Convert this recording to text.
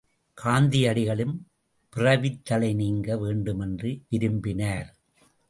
காந்தியடிகளும் பிறவித்தளை நீங்க வேண்டும் என்று விரும்பினார்.